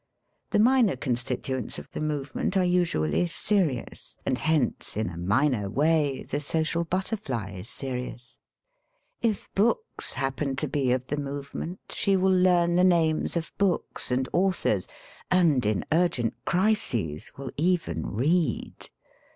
The minor constituents of the movement are usually "serious," and hence in a minor way the social butterfly is serious. If books happen to be of the movement, she will learn the names of books and authors, and in urgent crises will even read.